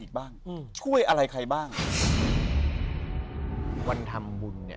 บ้างอืมช่วยอะไรใครบ้างวันทำบุญเนี้ย